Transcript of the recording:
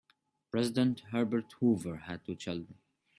President Herbert Hoover had two children.